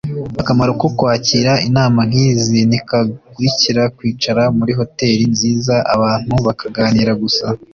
Akamaro ko kwakira inama nk’izi ntikagarukira kwicara muri hoteli nziza abantu bakaganira gusa